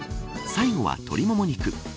最後は、鶏もも肉。